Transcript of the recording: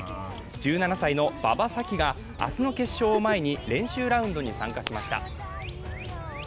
１７歳の馬場咲希が明日の決勝を前に練習ラウンドに参加しました。